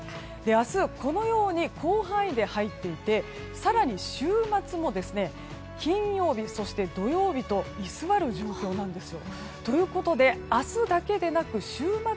明日、このように広範囲で入っていて更に週末も、金曜日、土曜日と居座る状況なんです。